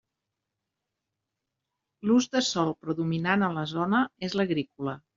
L'ús de sòl predominant a la zona és l'agrícola.